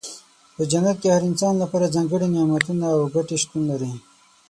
په جنت کې د هر انسان لپاره ځانګړي نعمتونه او ګټې شتون لري.